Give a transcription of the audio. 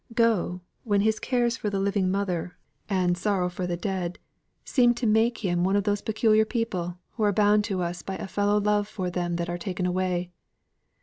Go, when his cares for the living mother, and sorrow for the dead, seemed to make him one of those peculiar people who are bound to us by a fellow love for them that are taken away.